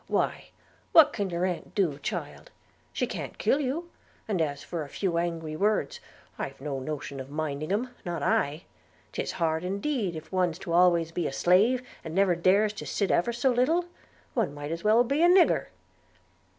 Why, what can your aunt do, child? She can't kill you; and as for a few angry words, I've no notion of minding 'em, not I: 'tis hard indeed if one's to be always a slave, and never dares to stir ever so little; – one might as well be a negur.'